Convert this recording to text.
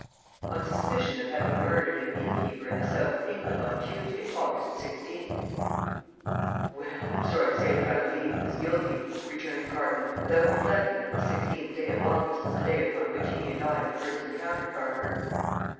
"On suspicion of having murdered an innkeeper in the South of England on Tuesday, August 16th." "Well, I'm sorry to say that I believe he was guilty," returned Parton, without reflecting that the 16th day of August was the day upon which he and I had first encountered Barker.